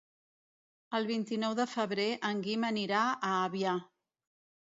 El vint-i-nou de febrer en Guim anirà a Avià.